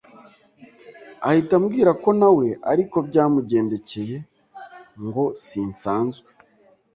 ahita ambwira ko nawe ariko byamugendekeye ngo sinsanzwe